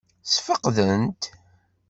Ssfeqden-t?